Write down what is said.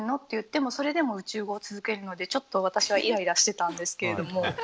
と言ってもそれでも宇宙語を続けるのでちょっと私はイライラしてたんですけど。